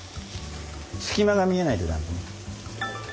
隙間が見えないと駄目。